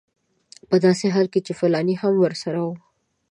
په داسې حال کې چې فلانی هم ورسره و.